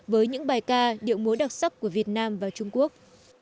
với những bài ca điệu múa đặc sắc của việt nam và trung quốc